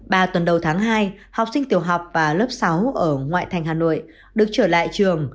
ba tuần đầu tháng hai học sinh tiểu học và lớp sáu ở ngoại thành hà nội được trở lại trường